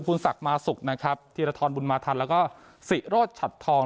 ภูนศักดิ์มาสุกนะครับธีรธรบุญมาธรรมแล้วก็ศรีโรชชัดทอง